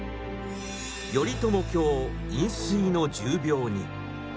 「頼朝卿飲水の重病に」。